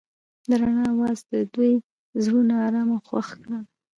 د رڼا اواز د دوی زړونه ارامه او خوښ کړل.